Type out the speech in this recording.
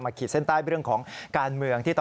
มาขีดเส้นใต้เรื่องของการเมือง